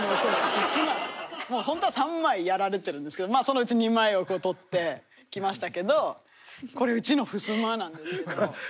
もうホントは３枚やられてるんですけどそのうち２枚を撮ってきましたけどこれうちのふすまなんですけど。